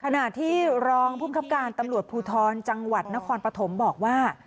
ขณะที่รองภูมิครับการตำรวจภูทรจังหวัดนครปฐมบอกว่า